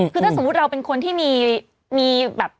คือถ้าสมมุติเราเป็นคนที่มีแบบ